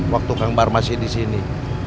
waktu kang bahar masih disini